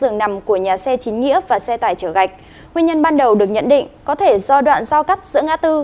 nguyên nhân ban đầu được nhận định có thể do đoạn giao cắt giữa ngã tư